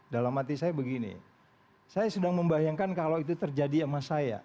dalam hati saya begini saya sedang membayangkan kalau itu terjadi sama saya